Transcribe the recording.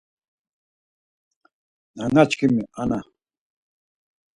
Nanaşǩimi; ana!